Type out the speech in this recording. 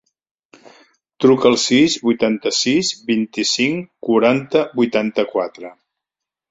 Truca al sis, vuitanta-sis, vint-i-cinc, quaranta, vuitanta-quatre.